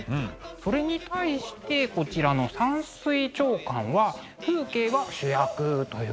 それに対してこちらの「山水長巻」は風景が主役という感じです。